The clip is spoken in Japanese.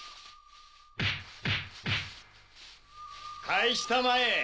返したまえ